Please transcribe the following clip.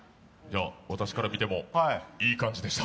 私から見ても、いい感じでした。